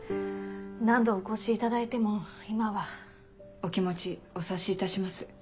何度お越しいただいても今は。お気持ちお察しいたします。